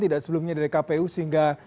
tidak sebelumnya dari kpu sehingga